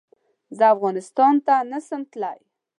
زه افغانستان ته نه سم تلی